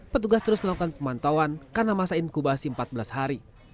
petugas terus melakukan pemantauan karena masa inkubasi empat belas hari